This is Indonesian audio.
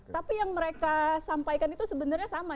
tapi yang mereka sampaikan itu sebenarnya sama